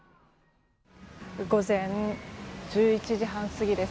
午前１１時半過ぎです。